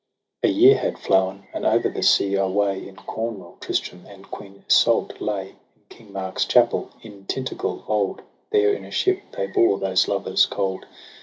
A YEAR had flown, and o'er the sea away, In Cornwall, Tristram and Queen Iseult lay ; In King Marc's chapel, in Tyntagel old — There in a ship they bore those lovers cold.